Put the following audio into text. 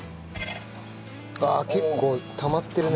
ああ結構たまってるね。